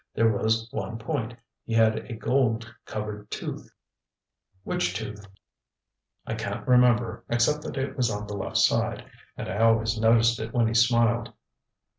there was one point: He had a gold covered tooth. ŌĆØ ŌĆ£Which tooth? ŌĆØ ŌĆ£I can't remember, except that it was on the left side, and I always noticed it when he smiled.